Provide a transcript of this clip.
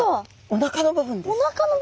おなかの部分。